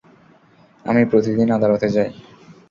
আমি প্রতিদিন আদালতে যাই।